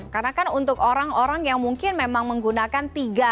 karena kan untuk orang orang yang mungkin memang menggunakan tiga